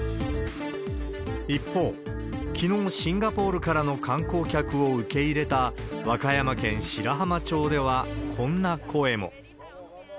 一方、きのう、シンガポールからの観光客を受け入れた和歌山県白浜町ではこんな声も。